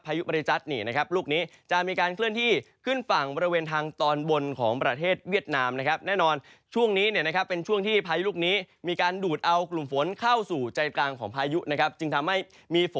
พายุบริจัสนี่นะครับลูกนี้